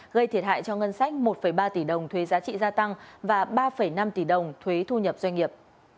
gây thiệt hại cho ngân sách một ba tỷ đồng thuế giá trị gia tăng và ba năm tỷ đồng thuế thu nhập doanh nghiệp